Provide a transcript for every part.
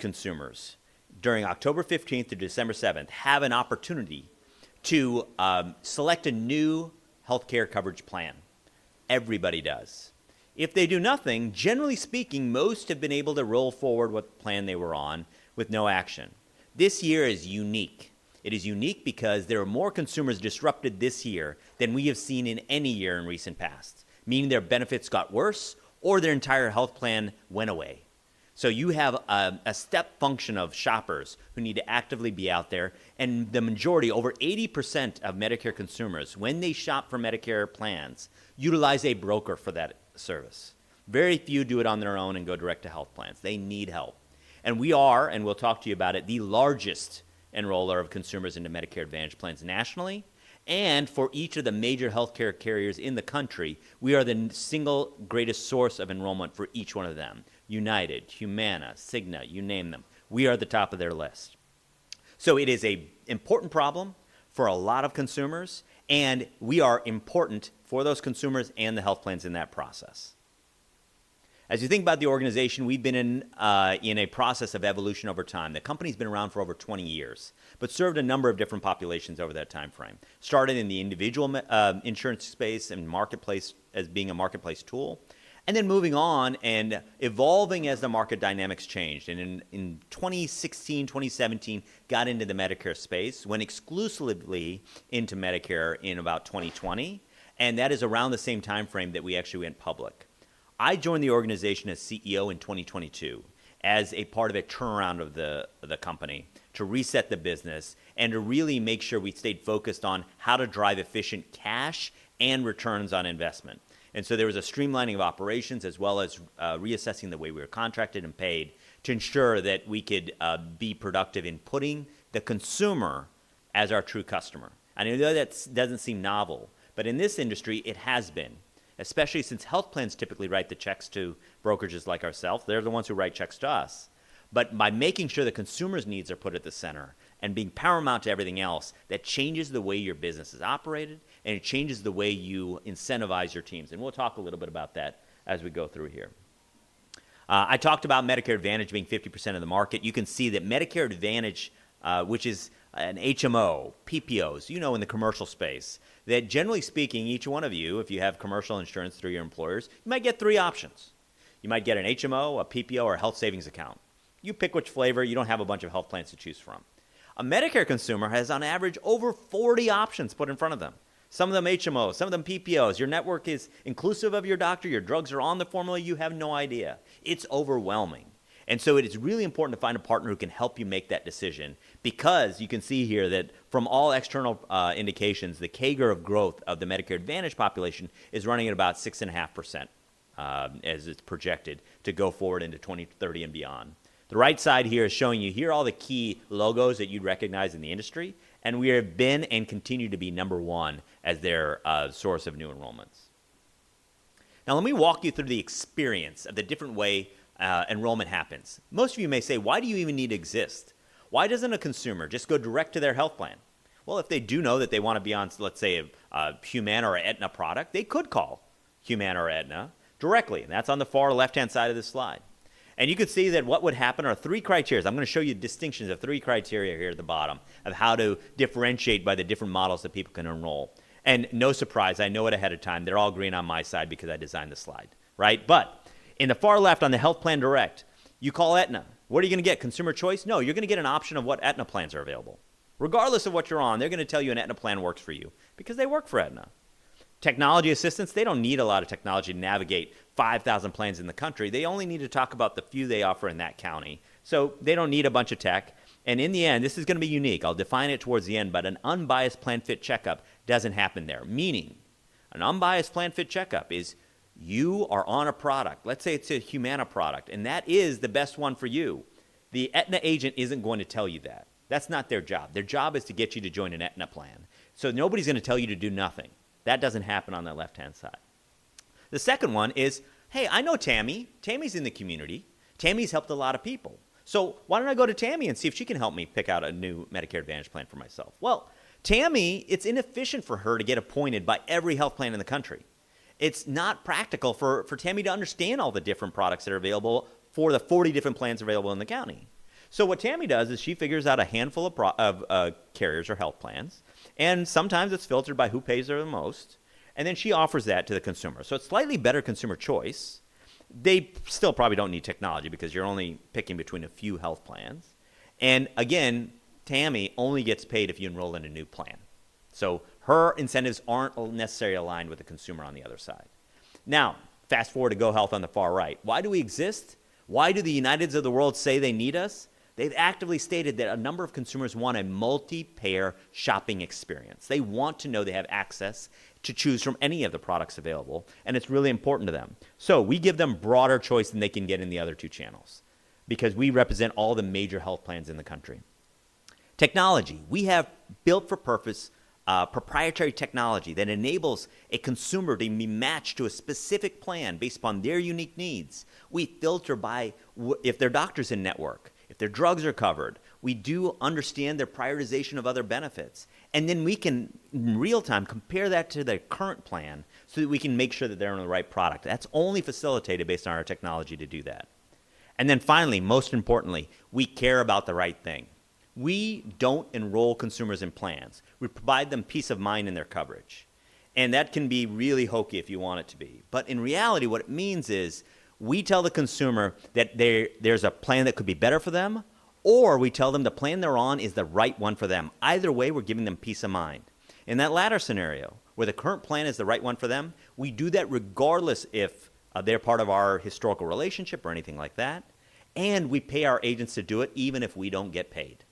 As consumers, during October 15th through December 7th, have an opportunity to select a new healthcare coverage plan. Everybody does. If they do nothing, generally speaking, most have been able to roll forward what plan they were on with no action. This year is unique. It is unique because there are more consumers disrupted this year than we have seen in any year in recent past, meaning their benefits got worse or their entire health plan went away. So you have a step function of shoppers who need to actively be out there, and the majority, over 80% of Medicare consumers, when they shop for Medicare plans, utilize a broker for that service. Very few do it on their own and go direct to health plans. They need help. And we are, and we'll talk to you about it, the largest enroller of consumers into Medicare Advantage plans nationally. And for each of the major healthcare carriers in the country, we are the single greatest source of enrollment for each one of them: United, Humana, Cigna, you name them. We are at the top of their list. So it is an important problem for a lot of consumers, and we are important for those consumers and the health plans in that process. As you think about the organization, we've been in a process of evolution over time. The company's been around for over 20 years, but served a number of different populations over that time frame, started in the individual insurance space and marketplace as being a marketplace tool, and then moving on and evolving as the market dynamics changed. And in 2016, 2017, got into the Medicare space, went exclusively into Medicare in about 2020, and that is around the same time frame that we actually went public. I joined the organization as CEO in 2022 as a part of a turnaround of the company to reset the business and to really make sure we stayed focused on how to drive efficient cash and returns on investment, and so there was a streamlining of operations as well as reassessing the way we were contracted and paid to ensure that we could be productive in putting the consumer as our true customer, and I know that doesn't seem novel, but in this industry it has been, especially since health plans typically write the checks to brokerages like ourselves, they're the ones who write checks to us, but by making sure the consumer's needs are put at the center and being paramount to everything else, that changes the way your business is operated, and it changes the way you incentivize your teams. And we'll talk a little bit about that as we go through here. I talked about Medicare Advantage being 50% of the market. You can see that Medicare Advantage, which is an HMO, PPOs, you know, in the commercial space, that generally speaking, each one of you, if you have commercial insurance through your employers, you might get three options. You might get an HMO, a PPO, or a health savings account. You pick which flavor. You don't have a bunch of health plans to choose from. A Medicare consumer has, on average, over 40 options put in front of them, some of them HMOs, some of them PPOs. Your network is inclusive of your doctor. Your drugs are on the formulary. You have no idea. It's overwhelming. It is really important to find a partner who can help you make that decision because you can see here that from all external indications, the CAGR of growth of the Medicare Advantage population is running at about 6.5% as it's projected to go forward into 2030 and beyond. The right side here is showing you here all the key logos that you'd recognize in the industry, and we have been and continue to be number one as their source of new enrollments. Now, let me walk you through the experience of the different way enrollment happens. Most of you may say, "Why do you even need to exist? Why doesn't a consumer just go direct to their health plan?" Well, if they do know that they want to be on, let's say, a Humana or an Aetna product, they could call Humana or Aetna directly. And that's on the far left-hand side of this slide. And you could see that what would happen are three criteria. I'm going to show you distinctions of three criteria here at the bottom of how to differentiate by the different models that people can enroll. And no surprise, I know it ahead of time. They're all green on my side because I designed the slide, right? But in the far left, on the Health Plan Direct, you call Aetna. What are you going to get? Consumer choice? No, you're going to get an option of what Aetna plans are available. Regardless of what you're on, they're going to tell you an Aetna plan works for you because they work for Aetna. Technology assistance? They don't need a lot of technology to navigate 5,000 plans in the country. They only need to talk about the few they offer in that county. So they don't need a bunch of tech. And in the end, this is going to be unique. I'll define it towards the end, but an unbiased Plan Fit Check-Up doesn't happen there. Meaning, an unbiased Plan Fit Check-Up is you are on a product. Let's say it's a Humana product, and that is the best one for you. The Aetna agent isn't going to tell you that. That's not their job. Their job is to get you to join an Aetna plan. So nobody's going to tell you to do nothing. That doesn't happen on the left-hand side. The second one is, "Hey, I know Tammy. Tammy's in the community. Tammy's helped a lot of people. So why don't I go to Tammy and see if she can help me pick out a new Medicare Advantage plan for myself?" Well, Tammy, it's inefficient for her to get appointed by every health plan in the country. It's not practical for Tammy to understand all the different products that are available for the 40 different plans available in the county. So what Tammy does is she figures out a handful of carriers or health plans, and sometimes it's filtered by who pays her the most, and then she offers that to the consumer. So it's slightly better consumer choice. They still probably don't need technology because you're only picking between a few health plans. And again, Tammy only gets paid if you enroll in a new plan. So her incentives aren't necessarily aligned with the consumer on the other side. Now, fast forward to GoHealth on the far right. Why do we exist? Why do the Uniteds of the world say they need us? They've actively stated that a number of consumers want a multi-payer shopping experience. They want to know they have access to choose from any of the products available, and it's really important to them. So we give them broader choice than they can get in the other two channels because we represent all the major health plans in the country. Technology. We have built-for-purpose proprietary technology that enables a consumer to be matched to a specific plan based upon their unique needs. We filter by if their doctor's in network, if their drugs are covered. We do understand their prioritization of other benefits, and then we can, in real time, compare that to the current plan so that we can make sure that they're on the right product. That's only facilitated based on our technology to do that. And then finally, most importantly, we care about the right thing. We don't enroll consumers in plans. We provide them peace of mind in their coverage. And that can be really hokey if you want it to be. But in reality, what it means is we tell the consumer that there's a plan that could be better for them, or we tell them the plan they're on is the right one for them. Either way, we're giving them peace of mind. In that latter scenario, where the current plan is the right one for them, we do that regardless if they're part of our historical relationship or anything like that, and we pay our agents to do it even if we don't get paid.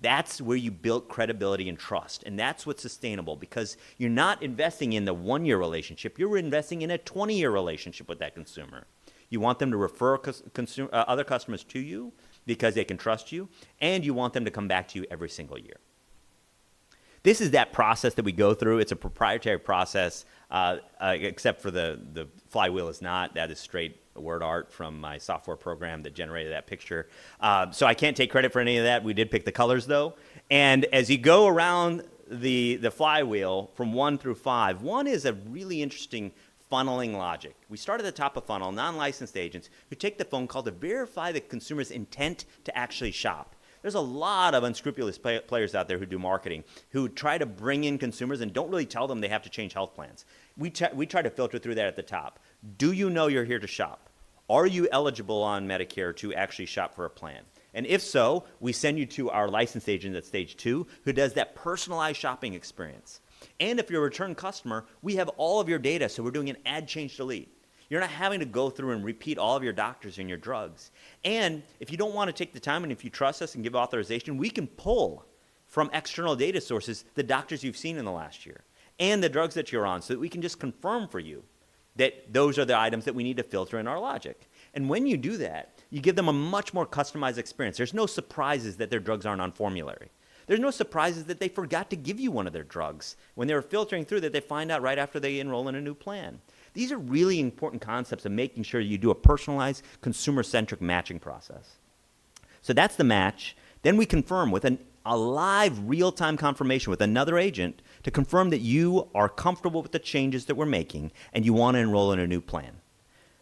That's where you build credibility and trust, and that's what's sustainable because you're not investing in the one-year relationship. You're investing in a 20-year relationship with that consumer. You want them to refer other customers to you because they can trust you, and you want them to come back to you every single year. This is that process that we go through. It's a proprietary process, except for the flywheel is not. That is straight word art from my software program that generated that picture. So I can't take credit for any of that. We did pick the colors, though. And as you go around the flywheel from one through five, one is a really interesting funneling logic. We start at the top of funnel, non-licensed agents who take the phone call to verify the consumer's intent to actually shop. There's a lot of unscrupulous players out there who do marketing, who try to bring in consumers and don't really tell them they have to change health plans. We try to filter through that at the top. Do you know you're here to shop? Are you eligible on Medicare to actually shop for a plan? And if so, we send you to our licensed agent at stage two who does that personalized shopping experience. And if you're a return customer, we have all of your data, so we're doing an add change delete. You're not having to go through and repeat all of your doctors and your drugs. If you don't want to take the time and if you trust us and give authorization, we can pull from external data sources the doctors you've seen in the last year and the drugs that you're on so that we can just confirm for you that those are the items that we need to filter in our logic. When you do that, you give them a much more customized experience. There's no surprises that their drugs aren't on formulary. There's no surprises that they forgot to give you one of their drugs when they're filtering through that they find out right after they enroll in a new plan. These are really important concepts of making sure you do a personalized, consumer-centric matching process. That's the match. Then we confirm with a live, real-time confirmation with another agent to confirm that you are comfortable with the changes that we're making and you want to enroll in a new plan.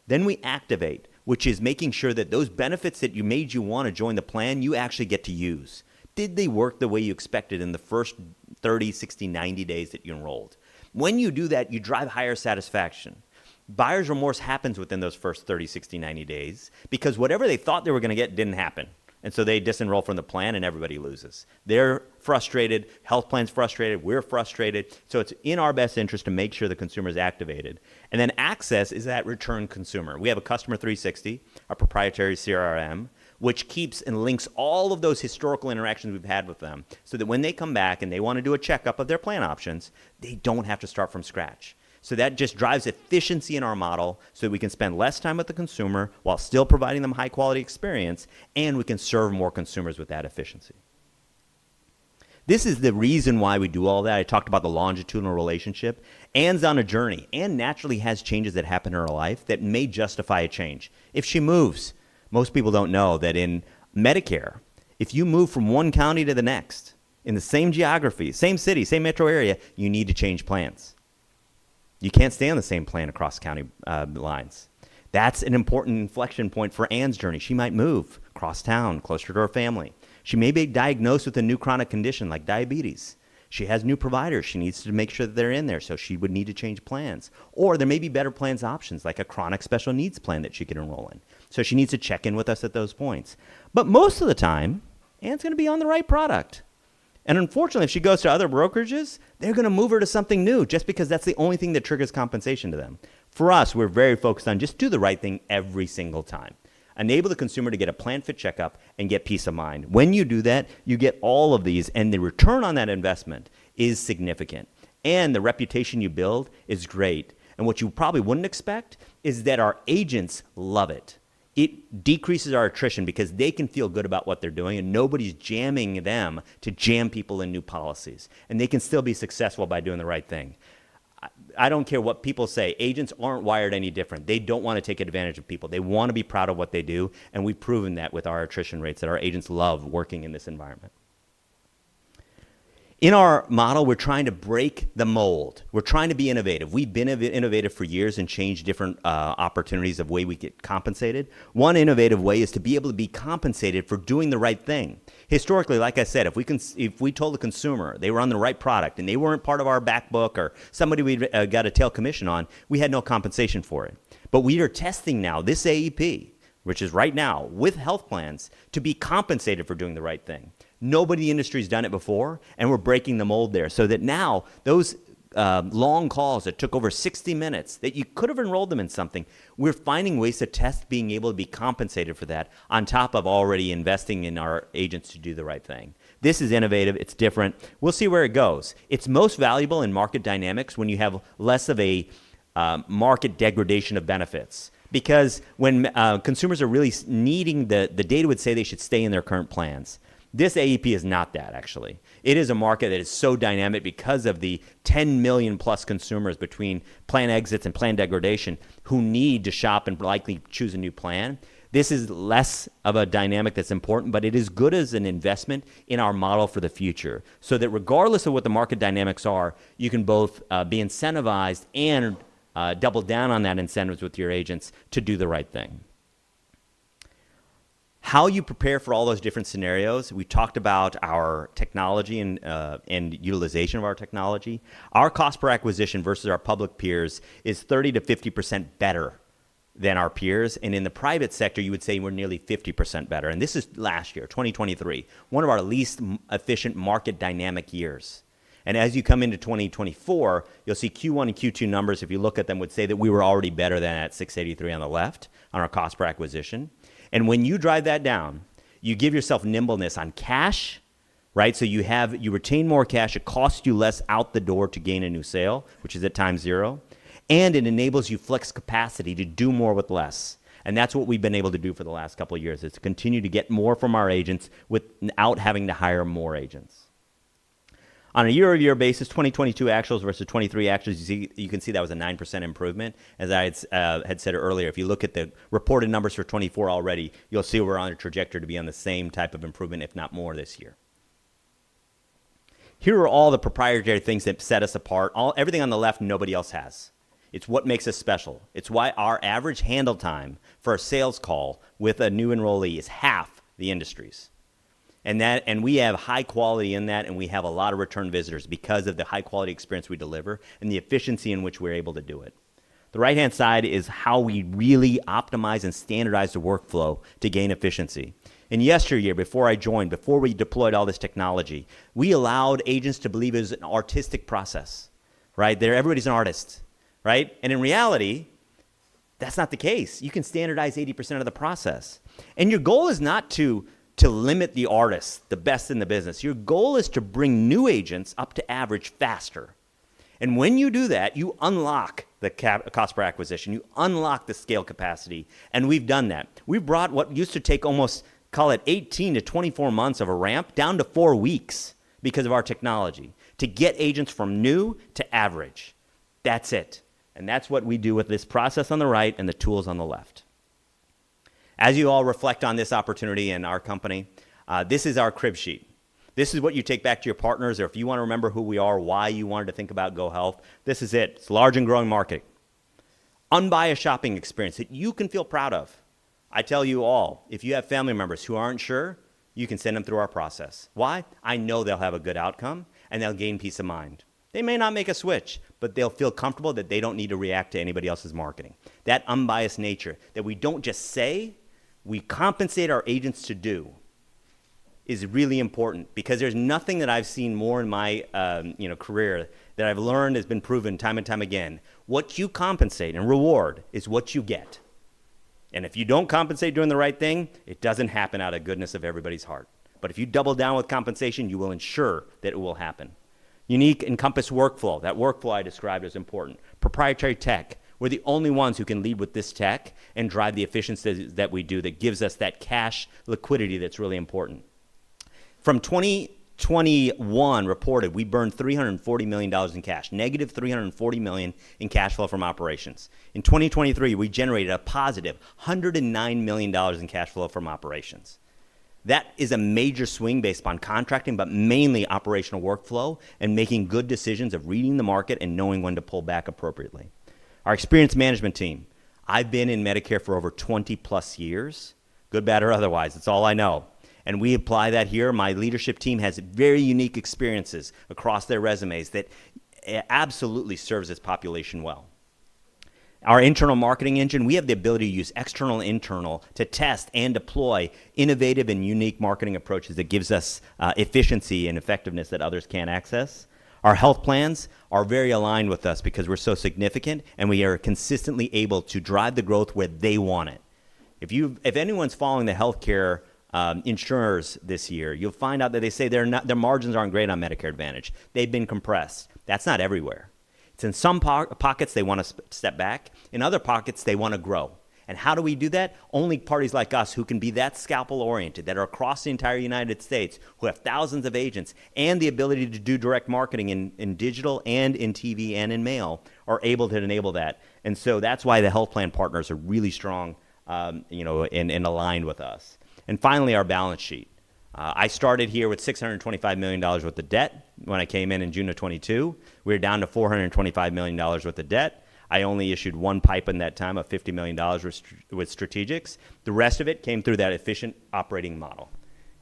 Then we activate, which is making sure that those benefits that made you want to join the plan, you actually get to use. Did they work the way you expected in the first 30, 60, 90 days that you enrolled? When you do that, you drive higher satisfaction. Buyer's remorse happens within those first 30, 60, 90 days because whatever they thought they were going to get didn't happen, and so they disenroll from the plan and everybody loses. They're frustrated. Health plan's frustrated. We're frustrated. So it's in our best interest to make sure the consumer's activated. And then access is that return consumer. We have a Customer 360, a proprietary CRM, which keeps and links all of those historical interactions we've had with them so that when they come back and they want to do a checkup of their plan options, they don't have to start from scratch, so that just drives efficiency in our model so that we can spend less time with the consumer while still providing them high-quality experience, and we can serve more consumers with that efficiency. This is the reason why we do all that. I talked about the longitudinal relationship. Anne's on a journey and naturally has changes that happen in her life that may justify a change. If she moves, most people don't know that in Medicare, if you move from one county to the next in the same geography, same city, same metro area, you need to change plans. You can't stay on the same plan across county lines. That's an important inflection point for Anne's journey. She might move across town, closer to her family. She may be diagnosed with a new chronic condition like diabetes. She has new providers. She needs to make sure that they're in there, so she would need to change plans, or there may be better plan options like a chronic special needs plan that she can enroll in, so she needs to check in with us at those points, but most of the time, Anne's going to be on the right product, and unfortunately, if she goes to other brokerages, they're going to move her to something new just because that's the only thing that triggers compensation to them. For us, we're very focused on just do the right thing every single time. Enable the consumer to get a Plan Fit Check-Up and get peace of mind. When you do that, you get all of these, and the return on that investment is significant, and the reputation you build is great, and what you probably wouldn't expect is that our agents love it. It decreases our attrition because they can feel good about what they're doing, and nobody's jamming them to jam people in new policies, and they can still be successful by doing the right thing. I don't care what people say. Agents aren't wired any different. They don't want to take advantage of people. They want to be proud of what they do, and we've proven that with our attrition rates that our agents love working in this environment. In our model, we're trying to break the mold. We're trying to be innovative. We've been innovative for years and changed different opportunities of way we get compensated. One innovative way is to be able to be compensated for doing the right thing. Historically, like I said, if we told a consumer they were on the right product and they weren't part of our back book or somebody we got a tail commission on, we had no compensation for it, but we are testing now this AEP, which is right now with health plans, to be compensated for doing the right thing. Nobody in the industry has done it before, and we're breaking the mold there so that now those long calls that took over 60 minutes that you could have enrolled them in something, we're finding ways to test being able to be compensated for that on top of already investing in our agents to do the right thing. This is innovative. It's different. We'll see where it goes. It's most valuable in market dynamics when you have less of a market degradation of benefits because when consumers are really needing the data would say they should stay in their current plans. This AEP is not that, actually. It is a market that is so dynamic because of the 10 million-plus consumers between plan exits and plan degradation who need to shop and likely choose a new plan. This is less of a dynamic that's important, but it is good as an investment in our model for the future so that regardless of what the market dynamics are, you can both be incentivized and double down on that incentives with your agents to do the right thing. How you prepare for all those different scenarios. We talked about our technology and utilization of our technology. Our cost per acquisition versus our public peers is 30%-50% better than our peers, and in the private sector, you would say we're nearly 50% better. And this is last year, 2023, one of our least efficient market dynamic years. And as you come into 2024, you'll see Q1 and Q2 numbers; if you look at them, would say that we were already better than at $683 on the left on our cost per acquisition. And when you drive that down, you give yourself nimbleness on cash, right, so you retain more cash. It costs you less out the door to gain a new sale, which is at time zero, and it enables you flex capacity to do more with less. That's what we've been able to do for the last couple of years is continue to get more from our agents without having to hire more agents. On a year-over-year basis, 2022 actuals versus 2023 actuals, you can see that was a 9% improvement. As I had said earlier, if you look at the reported numbers for 2024 already, you'll see we're on a trajectory to be on the same type of improvement, if not more this year. Here are all the proprietary things that set us apart. Everything on the left, nobody else has. It's what makes us special. It's why our average handle time for a sales call with a new enrollee is half the industry's. We have high quality in that, and we have a lot of return visitors because of the high-quality experience we deliver and the efficiency in which we're able to do it. The right-hand side is how we really optimize and standardize the workflow to gain efficiency. In yesteryear, before I joined, before we deployed all this technology, we allowed agents to believe it was an artistic process, right? Everybody's an artist, right? In reality, that's not the case. You can standardize 80% of the process. Your goal is not to limit the artists, the best in the business. Your goal is to bring new agents up to average faster. When you do that, you unlock the cost per acquisition. You unlock the scale capacity, and we've done that. We've brought what used to take almost, call it 18-24 months of a ramp down to four weeks because of our technology to get agents from new to average. That's it. And that's what we do with this process on the right and the tools on the left. As you all reflect on this opportunity in our company, this is our crib sheet. This is what you take back to your partners or if you want to remember who we are, why you wanted to think about GoHealth. This is it. It's a large and growing market. Unbiased shopping experience that you can feel proud of. I tell you all, if you have family members who aren't sure, you can send them through our process. Why? I know they'll have a good outcome and they'll gain peace of mind. They may not make a switch, but they'll feel comfortable that they don't need to react to anybody else's marketing. That unbiased nature that we don't just say, we compensate our agents to do is really important because there's nothing that I've seen more in my career that I've learned has been proven time and time again. What you compensate and reward is what you get. And if you don't compensate doing the right thing, it doesn't happen out of goodness of everybody's heart. But if you double down with compensation, you will ensure that it will happen. Unique Encompass workflow. That workflow I described is important. Proprietary tech. We're the only ones who can lead with this tech and drive the efficiencies that we do that gives us that cash liquidity that's really important. From 2021 reported, we burned $340 million in cash, negative $340 million in cash flow from operations. In 2023, we generated a positive $109 million in cash flow from operations. That is a major swing based upon contracting, but mainly operational workflow and making good decisions of reading the market and knowing when to pull back appropriately. Our experienced management team. I've been in Medicare for over 20-plus years, good, bad, or otherwise. It's all I know, and we apply that here. My leadership team has very unique experiences across their resumes that absolutely serves this population well. Our internal marketing engine, we have the ability to use external and internal to test and deploy innovative and unique marketing approaches that gives us efficiency and effectiveness that others can't access. Our health plans are very aligned with us because we're so significant and we are consistently able to drive the growth where they want it. If anyone's following the healthcare insurers this year, you'll find out that they say their margins aren't great on Medicare Advantage. They've been compressed. That's not everywhere. It's in some pockets they want to step back. In other pockets, they want to grow. And how do we do that? Only parties like us who can be that scalpel-oriented that are across the entire United States, who have thousands of agents and the ability to do direct marketing in digital and in TV and in mail are able to enable that. And so that's why the health plan partners are really strong and aligned with us. And finally, our balance sheet. I started here with $625 million worth of debt when I came in in June of 2022. We're down to $425 million worth of debt. I only issued one PIPE in that time of $50 million with strategics. The rest of it came through that efficient operating model,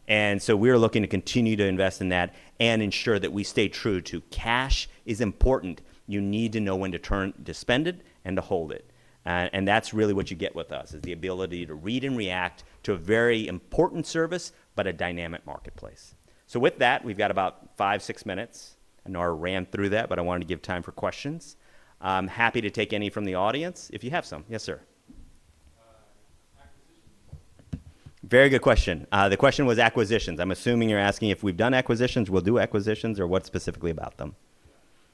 and so we're looking to continue to invest in that and ensure that we stay true to cash is important. You need to know when to spend it and to hold it. And that's really what you get with us is the ability to read and react to a very important service, but a dynamic marketplace. So with that, we've got about five, six minutes. I know I ran through that, but I wanted to give time for questions. I'm happy to take any from the audience if you have some. Yes, sir. Acquisitions. Very good question. The question was acquisitions. I'm assuming you're asking if we've done acquisitions, we'll do acquisitions, or what specifically about them?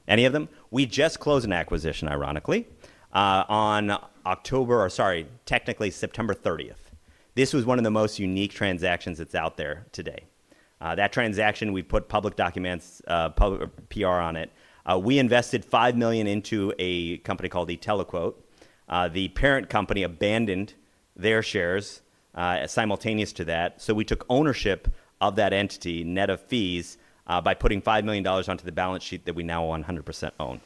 Any of them? We just closed an acquisition, ironically, on October or sorry, technically September 30th. This was one of the most unique transactions that's out there today. That transaction, we put public documents, public PR on it. We invested $5 million into a company called e-TeleQuote. The parent company abandoned their shares simultaneous to that. So we took ownership of that entity net of fees by putting $5 million onto the balance sheet that we now 100% own.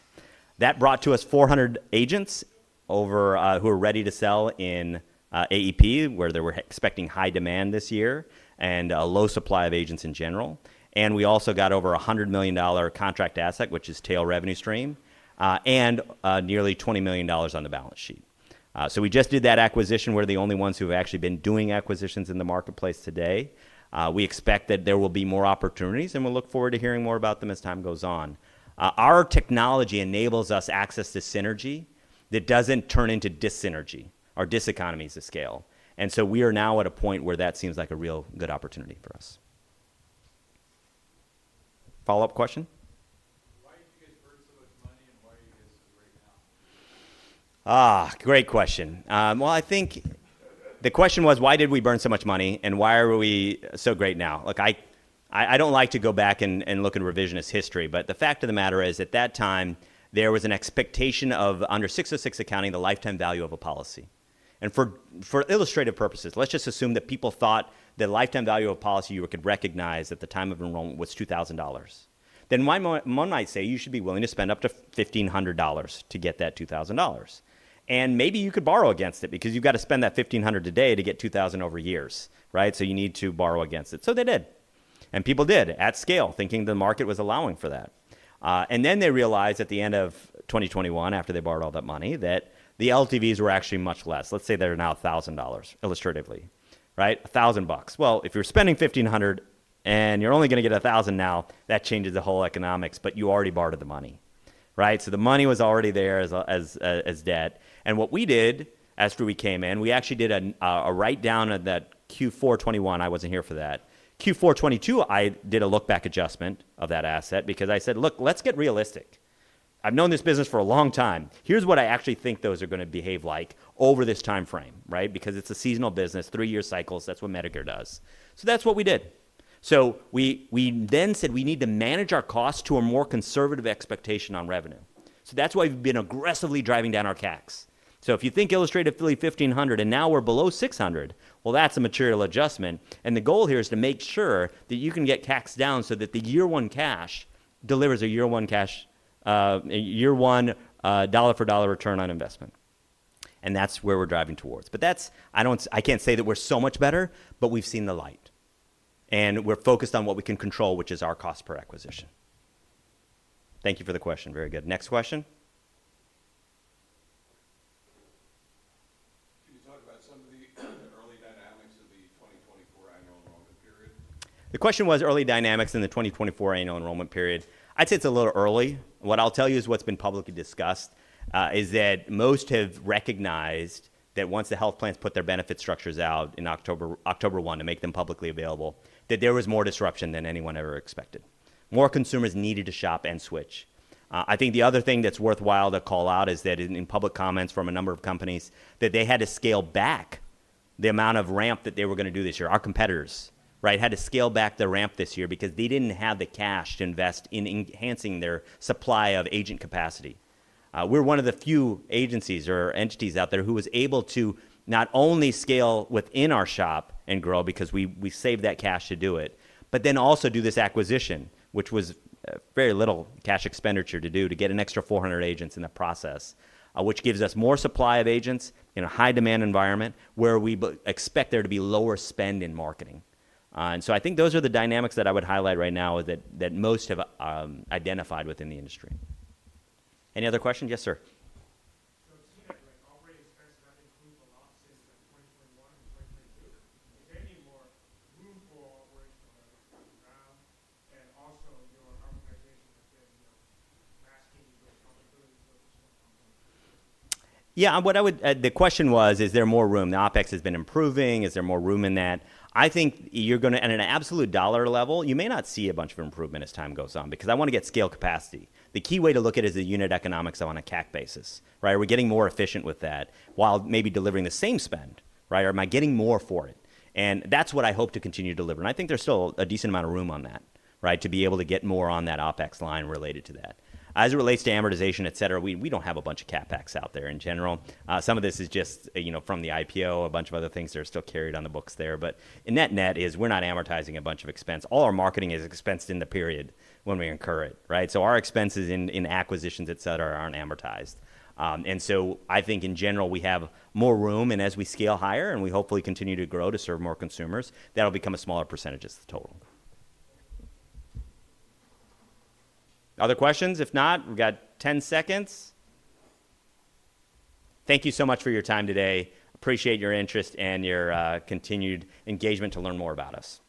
That brought to us 400 agents who are ready to sell in AEP, where they were expecting high demand this year and a low supply of agents in general. And we also got over $100 million contract asset, which is tail revenue stream, and nearly $20 million on the balance sheet. So we just did that acquisition. We're the only ones who have actually been doing acquisitions in the marketplace today. We expect that there will be more opportunities, and we'll look forward to hearing more about them as time goes on. Our technology enables us access to synergy that doesn't turn into dis-synergy or diseconomies of scale. And so we are now at a point where that seems like a real good opportunity for us. Follow-up question? Why did you guys burn so much money and why are you guys so great now? Great question. Well, I think the question was, why did we burn so much money and why are we so great now? Look, I don't like to go back and look at revisionist history, but the fact of the matter is at that time, there was an expectation of under 606 accounting, the lifetime value of a policy. For illustrative purposes, let's just assume that people thought the lifetime value of a policy you could recognize at the time of enrollment was $2,000. Then one might say you should be willing to spend up to $1,500 to get that $2,000. And maybe you could borrow against it because you've got to spend that $1,500 a day to get $2,000 over years, right? So you need to borrow against it. So they did. And people did at scale, thinking the market was allowing for that. And then they realized at the end of 2021, after they borrowed all that money, that the LTVs were actually much less. Let's say they're now $1,000, illustratively, right? $1,000. Well, if you're spending $1,500 and you're only going to get $1,000 now, that changes the whole economics, but you already borrowed the money, right? So the money was already there as debt. And what we did after we came in, we actually did a write-down of that Q4 2021. I wasn't here for that. Q4 2022, I did a look-back adjustment of that asset because I said, "Look, let's get realistic. I've known this business for a long time. Here's what I actually think those are going to behave like over this timeframe," right? Because it's a seasonal business, three-year cycles. That's what Medicare does. So that's what we did. So we then said we need to manage our costs to a more conservative expectation on revenue. So that's why we've been aggressively driving down our CACs. So if you think illustratively $1,500 and now we're below $600. Well, that's a material adjustment. And the goal here is to make sure that you can get CACs down so that the year-one cash delivers a year-one dollar-for-dollar return on investment. And that's where we're driving towards. But I can't say that we're so much better, but we've seen the light. And we're focused on what we can control, which is our cost per acquisition. Thank you for the question. Very good. Next question. Can you talk about some of the early dynamics of the 2024 annual enrollment period? The question was early dynamics in the 2024 annual enrollment period. I'd say it's a little early. What I'll tell you is what's been publicly discussed is that most have recognized that once the health plans put their benefit structures out in October 2021 to make them publicly available, that there was more disruption than anyone ever expected. More consumers needed to shop and switch. I think the other thing that's worthwhile to call out is that in public comments from a number of companies that they had to scale back the amount of ramp that they were going to do this year. Our competitors, right, had to scale back the ramp this year because they didn't have the cash to invest in enhancing their supply of agent capacity. We're one of the few agencies or entities out there who was able to not only scale within our shop and grow because we saved that cash to do it, but then also do this acquisition, which was very little cash expenditure to do to get an extra 400 agents in the process, which gives us more supply of agents in a high-demand environment where we expect there to be lower spend in marketing, and so I think those are the dynamics that I would highlight right now that most have identified within the industry. Any other questions? Yes, sir. So it seems like operating expenses have improved a lot since 2021 and 2022. Is there any more room for operating expenses around, and also your organization has been masking those public goods with some companies. Yeah, the question was, is there more room? The OpEx has been improving. Is there more room in that? I think you're going to, on an absolute dollar level, you may not see a bunch of improvement as time goes on because I want to get scale capacity. The key way to look at it is the unit economics on a CAC basis, right? Are we getting more efficient with that while maybe delivering the same spend, right? Or am I getting more for it? And that's what I hope to continue to deliver. And I think there's still a decent amount of room on that, right, to be able to get more on that OpEx line related to that. As it relates to amortization, etc., we don't have a bunch of CapEx out there in general. Some of this is just from the IPO, a bunch of other things that are still carried on the books there. But in that net, we're not amortizing a bunch of expense. All our marketing is expensed in the period when we incur it, right? So our expenses in acquisitions, etc., aren't amortized. And so I think in general, we have more room. And as we scale higher and we hopefully continue to grow to serve more consumers, that'll become a smaller percentage of the total. Other questions? If not, we've got 10 seconds. Thank you so much for your time today. Appreciate your interest and your continued engagement to learn more about us.